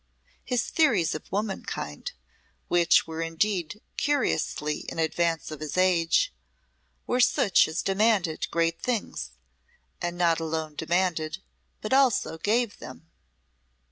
His theories of womankind, which were indeed curiously in advance of his age, were such as demanded great things, and not alone demanded, but also gave them.